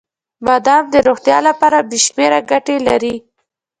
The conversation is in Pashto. • بادام د روغتیا لپاره بې شمیره ګټې لري.